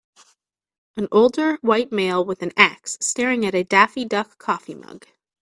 an older white male with an axe staring at a daffy duck coffee mug.